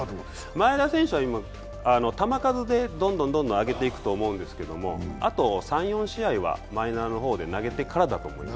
前田選手は今、球数でどんどん上げていくと思いますけどあと３４試合はマイナーの方で投げてからだと思います。